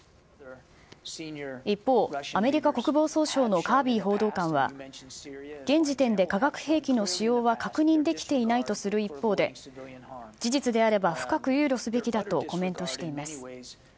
一方、アメリカ国防総省のカービー報道官は、現時点で化学兵器の使用は確認できていないとする一方で、事実であれば深く憂慮すべきだとコメントしています。